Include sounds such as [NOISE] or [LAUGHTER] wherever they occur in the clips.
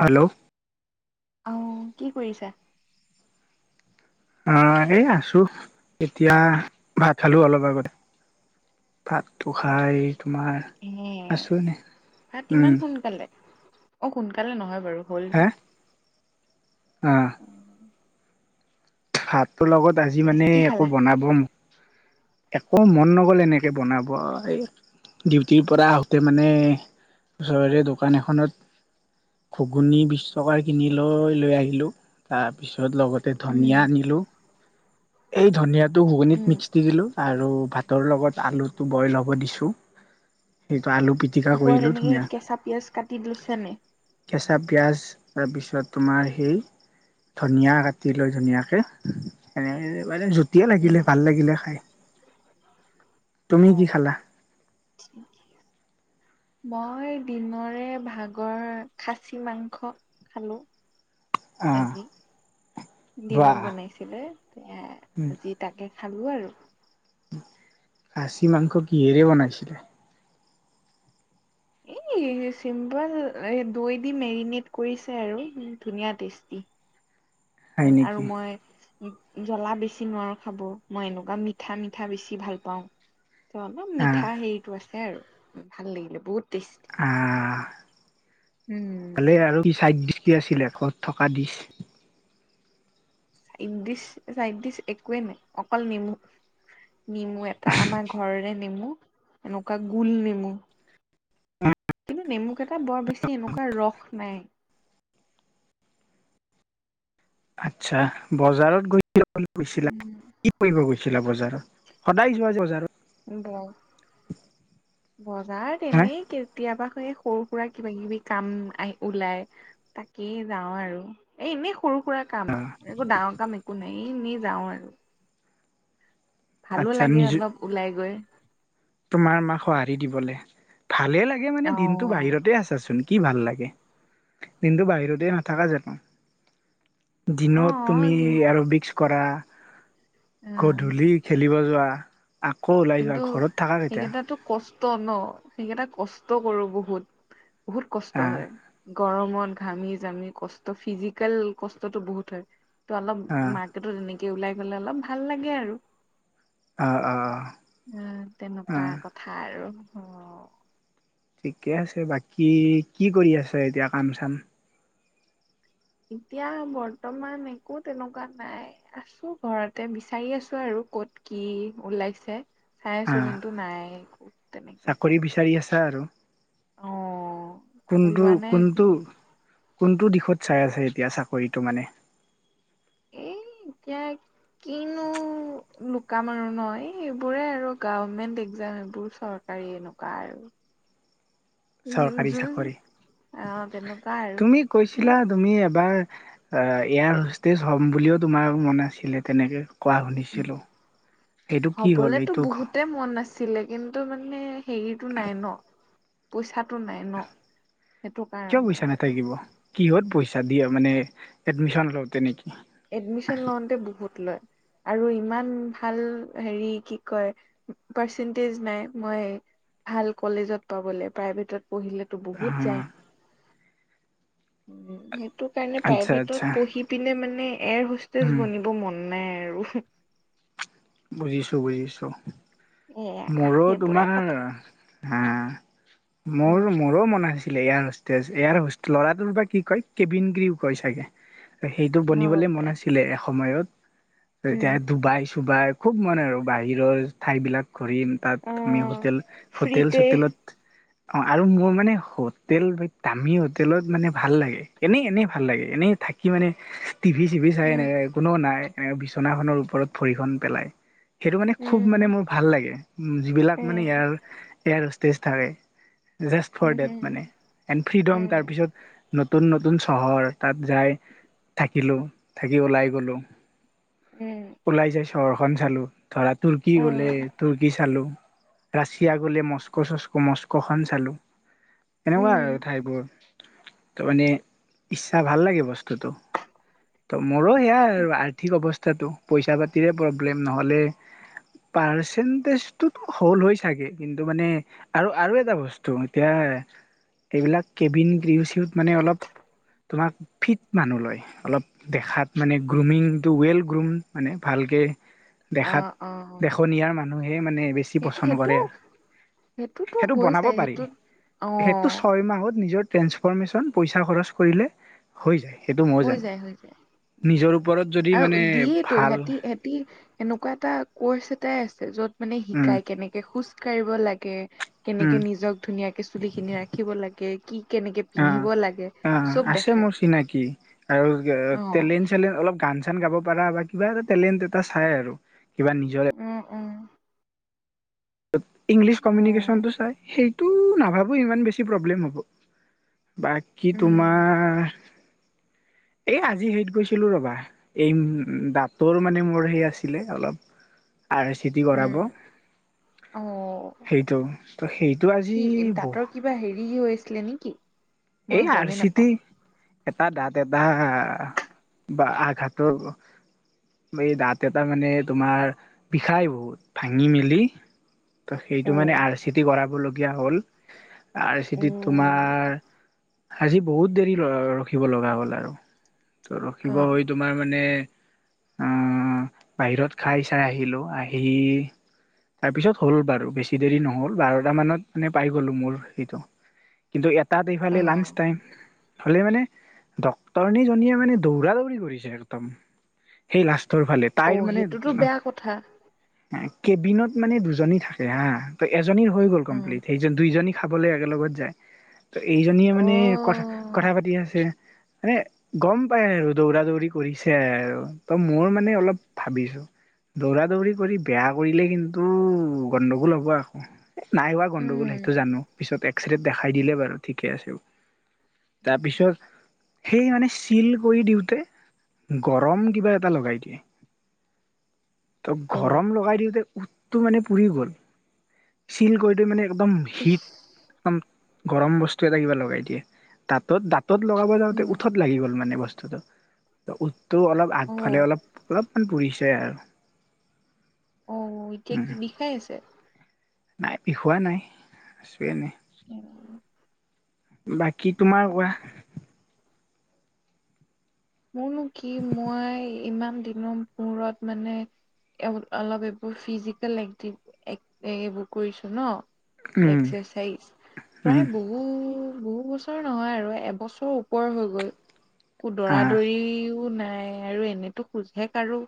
Hello, অহ, কি কৰিছা? অহ, এনেইআছো এতিয়া ভাত খালো অলপ আগতে। ভাতটো খাই তোমাৰ এ আছো এনে ভাত ইমান উম। সোনকালে অ' সোনকালে নহয় বাৰু হ'ল টাইম। আহ অ ভাতটোৰ লগত আজি ঠিকে আছে মানে কি একো খালা বনাব মোক একো মন নগ'ল এনেকৈ বনাব এই ডিউটিৰ পৰা আহোঁতে মানে ওচৰৰে দোকান এখনত ঘুগুনী বিছ টকাৰ কিনি লৈ- লৈ আহিলো তাৰপিছত লগতে উম ধনীয়া আনিলোঁ। এই ধুনীয়াত টো ঘুগুনিত উম মিক্স দি দিলোঁ আৰু ভাতৰ লগত আলুটো বইল হ'ব দিছোঁ আলু পিটিকা ওপৰত কৰিলোঁ এনেকে ধুনীয়া কেঁচা পিয়াঁজ কাটি লৈছা নাই? কেঁচা পিঁয়াজ তাৰপিছত তোমাৰ সেই ধনিয়া কাটি লৈ ধুনিয়াকে মানে [UNINTELLIGIBLE] জুটিয়ে উম লাগিলে ভাল লাগিলে খাই। তুমি অ কি খালা? মই দিনৰে ভাগৰ খাচী মাংস খালোঁ। অহ দিনত বনাইছিলে এ আজি তাকে খালো আৰু। খাচি মাংস কিহেৰে বনাইছিলে? এহ এ চিম্পল এ দৈ দি মেৰিনেট কৰিছে আৰু ধুনীয়া টেষ্টি। হয় আৰু নেকি মই জ্বলা বেছি নোৱাৰো খাব মই এনেকুৱা মিঠা মিঠা বেছি ভাল পাওঁ ত অলপ আহ মিঠা হেৰিতটো আছে আৰু ভাল লাগিলে বহুত টেচটি আহ উম বুজি পোৱা নাই ভইচতো কি আছিলে ক'ত থকা দিছ ইন ডিচ চাইড ডিচ একোৱেই নাই অকল নেমু নেমু এটা আমাৰ ঘৰৰে নেমু এনেকুৱা গোল নেমু কিন্তু নেমুক এটা বৰ বেছি এনেকুৱা ৰস নাই আচ্ছা বজাৰত গৈছিল বুলি কৈছিলা কি কৰিব গৈছিলা দেখিলা বজাৰত সদায় যোৱা বজাৰত? ব -বজাৰ তে হা তেনেই কেতিয়াবা সে সৰু -সুৰা, কিবা -কিবি কাম আহ ওলাই তাকেই যাওঁ আৰু এ এনে সৰু -সুৰা কাম একো ডাঙৰ কাম একো নাই এনেই যাওঁ আৰু। ভালো আচ্ছা লাগে নিজ অলপ ওলাই গৈ। তোমাৰ মাক সঁহাৰি দিবলে ভালে লাগে মানে দিনতটো অ'। বাহিৰতে আছাচোন? কি ভাল লাগে দিনটো বাহিৰতেই নাথকা জানো? দিনত অ', তুমি কিন আৰবিক্স কৰা অ গধূলি খেলিব যোৱা আকৌ ওলাই যোৱা ঘৰত থাকা কেতিয়া সেইকেইটো কষ্ট ন সেইকেইটা কষ্ট কৰো বহুত বহুত কষ্ট আহ হয়। গৰমত ঘামি জামি কষ্ট ফিজিকেল কষ্টতটো বহুত হয় ত অলপ আহ মাৰ্কেট তেনেকে ওলাই গলে অলপ ভাল লাগে আৰু অঁ অঁ অঁ। উ তেনেকুৱা কথা আৰু অ ঠিকে আছে বাকী কি কৰি আছে এতিয়া কাম চাম এতিয়া বৰ্তমান একো তেনেকুৱা নাই আছো ঘৰতে বিচাৰি আছো আৰু কত কি ওলাইছে চাই আছো আহ কিন্তু নাই তেনেকে আছে আৰু অঁ কোনটো কোনটো কোনটো দিশত চাই আছে এতিয়া চাকৰিটো মানে এ এতিয়া কিনো লুকাম আৰু ন এইবোৰে আৰু গভমেণ্ট এক্জাম এইবোৰ চৰকাৰী এনেকুৱা আৰু যো- চৰকাৰী চাকৰি যো- আহ তেনেকুৱা আৰু তুমি এ কৈছিলা তুমি এবাৰ অঁ ইয়াৰ হুষ্টজ হম বুলিও তোমাৰ মন আছিলে তেনেকে কোৱা শুনিছিলোঁ এইটো কি হ'ল এইটো ছিলে কিন্তু মানে হেৰিতটো নাই ন পইচাত টো নাই ন সেইটো কিয় কাৰণে পইচা আৰু নাথাকিব কিহত পইচা দিয়ে মানে এডমিশন লওঁতে নেকি এডমিশ্যন লওঁতে বহুত লয়। আৰু ইমান ভাল হেৰি কি কয় পাৰ্চেন্টেজ নাই মই ভাল কলেজত পাবলৈ প্ৰাইভেটত পঢ়িলেতো অ বহুত যায় উম সেই এইটো কাৰণে আচ্ছা আচ্ছা প্ৰাইভেটত পঢ়ি পিনে মানে এয়াৰ হোষ্টেজ উম বনিব মন নাই আৰু বুজিছো বুজিছো এয়া মোৰো সেইবোৰে তোমাৰ কথা হা উম মোৰ মোৰো মন আছে ছিল ইয়াৰ হোষ্ট ইয়াৰ হ ল'ৰাটোৰ পৰা কি কয় কেবিন ক্ৰুৰ কয় চাগে সেইটো হ'ব বনিবলে পাৰে মন আছিলে এসময়ত উম এতিয়া ডুবাই চুবাই খুব মনে আৰু বাহিৰৰ ঠাইবিলাক ঘূৰিম তাত আমি আহ হোটেল, ফ্ৰীতে হোটেল-চোটেলত অ আৰু মোৰ মানে হোটেল দামী হোটেলত মানে ভাল লাগে, এনেই এনেই ভাল লাগে। এনেই থাকি মানে টিভি-চিভি চাই উম এনেকৈ এক কোনো নাই এনেকৈ বিচনাখনৰ ওপৰত ভৰিখন পেলায়। সেইটো মানে খুব উম মানে মোৰ ভাল লাগে। যিবিলাক এ মানে এয়াৰ এয়াৰহস্তেছ থাকে just um for that um মানে এণ্ড ফ্ৰীডম উম তাৰপিছত ন নতুন-নতুন চহৰ তাত যাই থাকিলো, থাকি ওলাই গলো। উম। চৰখন চালো ধৰা তুৰ্কী অ গ'লে তুৰ্কী চালো। ৰাছিয়া গলে মস্কো চস্কো মস্কোখন চালো। এনেকুৱা উম আৰু ঠাইবোৰ তাৰ মানে ইচ্ছা ভাল লাগে বস্তু টো ত'মোৰো সেয়া আৰু আৰ্থিক অৱস্থাটো পইচা পাতিৰে প্ৰব্লেম প্ৰব্লেম নহ'লে পাৰ্চেণ্টেজটো হ'ল হৈ চাগে, কিন্তু মানে আৰু আৰু এটা বস্তু এতিয়া- এইবিলাক কেবিন ক্রীউত চিউত মানে অলপ - তোমাক ফিট মানুহ লয় অলপ দেখাত মানে গ্ৰুমিংটো ৱেল গ্ৰুম মানে ভালকে- দেখাত অ', অ', দেখনীয়াৰ মানুহে মানে বেছি সেই পচন্দ সেইটো কৰে আৰু। সেইটোতো সেইটো হৈ বনাব যায় পাৰি সেইটোত সেইটো অ', ছয় মাহত নিজৰ- ট্ৰেন্সফৰৰ্মেশ্যন পইচা খৰচ কৰিলে হৈ যায়। সেইটো ময়ো হৈ জানো যায়, হৈ যায়। নিজৰ ওপৰত যদি মানে আৰু দিয়েইটো ভাল সেতি সেতি এনেকুৱা এটা কৰ্চ এটাই আছে, য'ত মানে উম শিকাই কেনেকে খোজ কাঢ়িব লাগে। উম কেনেকে নিজক ধুনীয়াকে চুলি খিনি ৰাখিব লাগে, কি কেনেকে অ পিন্ধিব লাগে, অ চব আছে দেখায় মোৰ চিনাকি আৰু অ', টেলেণ্ট-চেলেণ্ট অলপ গান চান গাব পাৰা বা কিবা এটা টেলেণ্ট এটা চাই আৰু। কিবা নিজৰ উম, উম। ইংলিছ অ', কমিউনিকেশ্যনটো চাই, সেইটো নাভাবোঁ ইমান বেছি প্ৰব্লেম হ'ব। বাকি উম, তোমাৰ [INAUDIBLE] এই আজি হেৰিত গৈছিলো ৰবা। এই দাঁতৰ মানে মোৰ সেই আছিলে অলপ। [INAUDIBLE] আৰ চি টি কৰাব। উম, অ সেইটো ত সেইটো আজি কি বহু দাঁতৰ কিবা হেৰি হৈ হৈছি লে নেকি? মই এই আৰ গমেই চি টি। নাপাওঁ এটা দাঁত এটা বা আঘাতৰ এই দাঁত এটা মানে তোমাৰ বিষাই বহুত, ভাঙি মেলি ত সেইটো মানে অ', আৰ চি টি কৰাবলগীয়া হ'ল। আৰ চি টিত অ', তোমাৰ আজি বহুত দেৰি ৰখিব লগা হ'ল আৰু। ত' ৰখিব অ', হৈ তোমাৰ মানে আহ বাহিৰত খাই-চাই আহিলো। আহি তাৰপিছত হ'ল বাৰু। বেছি দেৰি নহ'ল। বাৰটা মানত মানে পাই গলো মোৰ সেইটো। কিন্তু এটাত এইফালে লাঞ্চ অ', টাইম। হলে মানে ডক্তৰণী জনীয়ে মানে দৌৰা -দৌৰি কৰিছে একদম। সেই লাষ্ট টোৰ ফালে, তাইৰ অ', মানে সেইটোতো বেয়া কথা। কেবিনত মানে দুজনী থাকে হা। ত' এজনীৰ হৈ গ'ল উম কমপ্লিট। সেই দুইজনী খাবলৈ একে লগত যায়। ত' এইজনীয়ে মানে কথা অ', কথা পাতি আছে মানে গম পাই আৰু দৌৰা-দৌৰি কৰিছে আৰু ত মোৰ মানে অলপ ভাবিছো। দৌৰা-দৌৰি কৰি বেয়া কৰিলে কিন্তু গণ্ডগোল হ'ব আকৌ। নাই হোৱা গণ্ডগোল সেইটো উম, জানো, পিছত এক্সৰেত দেখাই দিলে বাৰু ঠিকেই আছে। তাৰপিছত সেই মানে চিল কৰি দিওঁতে গৰম কিবা এটা লগাই দিয়ে। [INAUDIBLE] ত অ', ঘৰম লগাই দিওঁতে উতটো মানে পুৰি গ'ল চিল কৰি দি মানে। একদম ইচ হিট দম গৰম বস্তু এটা কিবা লগাই দিয়ে দাতাঁত দাঁ। ত'ত লগাব যাওঁতে উম, উঠত লাগি গ'ল মানে বস্তুটো ত উঠটো অলপ আগফালে অ', অলপ অলপ। মান পুৰিছে আৰু। অ এতিয়া উম কি বিষাই আছে। নাই বিষুৱা নাই আছোএনে। [UNINTELLIGIBLE] বাকী তোমাৰ কোৱা। মোৰনো কি মই ইমান দিনৰ মূৰত মানে অলপ এইবোৰ ফিজিকেল একটি এক এইবোৰ কৰিছো ন। উম এক্সেচাইজ উম প্ৰায় বহুত বহু বছৰ নহয় আৰু এবছৰ ওপৰ হৈ গ'ল। আ। সিও নাই আৰু এনেতো খোজে কাঢ়ো।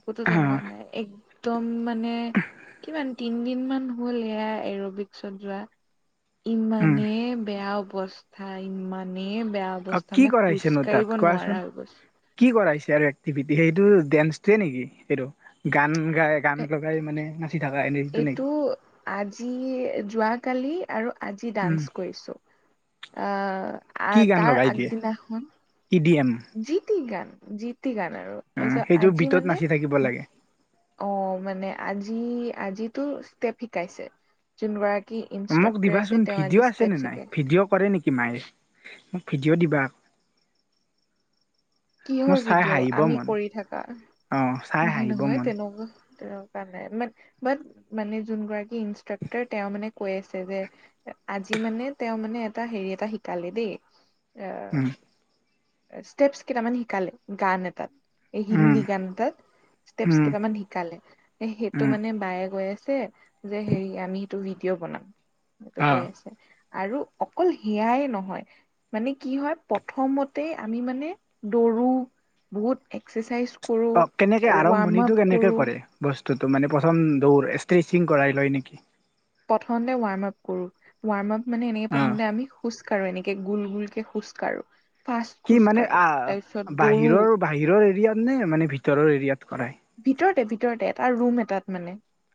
একোতো হা তেনেকুৱা নাই একদম মানে মানে কিমান তিন দিন মান হ'ল সেয়া এৰবিক্সত যোৱা। উম ইমানে বেয়া অৱস্থা ইমানে বেয়া অ অৱস্থা। কি মই খোজ কৰাইছেনো কাঢ়িব নোৱাৰা হৈ গৈছো। ইয়াৰ এক্টিভিটি সেইটো ডেসট্ৰি নেকি সেইটো গান। গাই গান এ লগাই মানে নাচি থকা এনেটো এইটো নেকি? আজি যোৱাকালি। আৰু আজি উম ডান্স কৰিছো আ। আ কি গান তাৰ লগাই দিয়ে আগদিনা খন। E D M? জি তি গান জি। জি তি গান আৰু অ তাপিছত সেইটো আজি বিটত মানে নাচি থাকিব লাগে অ মানে আজি। জি আজিটো ষ্টেপ শিকাইছে যোন বাৰ। মোক দিবাচোন ভিডিঅ' আছে নে নাই শিকাই ভিডিঅ' কৰে নেকি। কি মাই মোক ভিডিঅ' দিবা আ। কিহৰ ভিডিঅ' আমি কৰি থাকা অ চাই নাই হাঁহিব নহয় মন তেনেকুৱা। তে নাই মান বাট মানে যোন গৰাকী ইনষ্ট্ৰাক্টৰ তেওঁ মানে কৈ আছে যে। আজি মানে তেওঁ মানে এটা হেৰি এটা শিকালে দেই। এ উম ষ্টেপচ কেইটামান শিকালে গান এটাত। এই হিন্দী উম গান এতাত ষ্টেপচ উম কেইটামান শিকালে সেইটো উম মানে বায়ে গৈ আ। ছে যে হেৰি আমি সেইটো ভিডিঅ' বনাম সেইটো অ কৈ আছে। আৰু অকল হেয়াই নহয় মানে কি হয়। প্ৰথমত। তেই আমি মানে দৌৰো বহুত। এক্সাৰচাইজ কৰোঁ অ কেনেকে ৱাৰ্ম আৰম্ভণিটো আপ কেনেকে কৰোঁ। কৰে মানে প্ৰথম দৌ ষ্ট্ৰেচিং কৰাই লয় নেকি। প্ৰথম ৱৰ্ম আপ কৰো ৱৰ্ম আপ মানে এনেকে অ প্ৰথম আমি খো। কাৰো এনেকে গোল গোল কে খোজকাঢ়ো। কি মানে আ বাহিৰৰ বাহিৰৰ এৰিয়াত নে মানে ভিতৰৰ এৰিয়াত কৰা। ভিতৰতে ভিতৰতে এটা ৰুম এটাত মানে।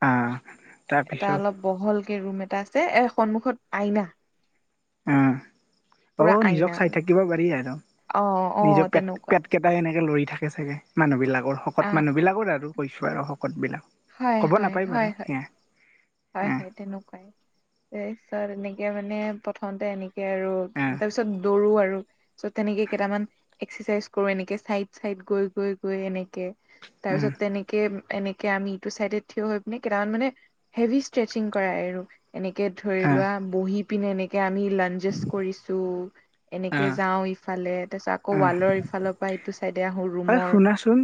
আহ এটা তাৰপিছত অলপ বহলকে ৰুম এ। এটা আছে এ সন্মুখত আইনা। অ পুৰা নিজক আইনা চাই মানে থাকিব পাৰি আৰু অ অ নিজৰ পেট তেনেকুৱা পেট কেইটাই এনেকে লৰি। থাকে চাগে মানুহ বিলাকৰ শকত আহ মানুহ বিলাকৰ আৰু কৈছো আৰু শকত বিলাক। হয় ক'ব হয় নাপায় হয় বাৰু হয় হে। হয় হয় তেনেকুৱাই তাৰ পিছত এনেকে মানে প্ৰথমতে এনে। কে আৰু আহ তাৰ পিছত দৌৰো আৰু। চ' তেনেকে কেইটামান এক্সাৰচাইজ কৰো এনেকে চাইড চাইদ গৈ গৈ গৈ এনেকে। তাৰ পিছত আহ তেনেকে এনেকে আমি ইটো চাইডে থিয় হৈ পিনে কেইটামান মানে। হেভি ষ্ট্ৰেচিং কৰাই আৰু এনেকে ধৰি আহ লোৱা বহি পিনে এনেকে আমি। ইমান জেৰ্চ কৰিছো এনেকে আহ যাওঁ ইফালে তাৰপিছত আকৌ আহ ৱালৰ ইফালৰ পৰা ইটো চাইদে দে হল ৰুমৰ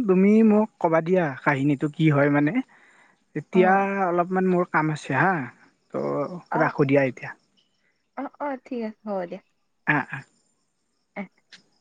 তুমিও মোক ক'বা দিয়া কাহিনীটো কি হয় মানে অ এতিয়া অলপমান মোৰ কাম আছে হা ত' অ ৰাখোঁ দিয়া এতিয়া। অ অ ঠিক আছে হ'ব দিয়া- আহ উ [INAUDIBLE]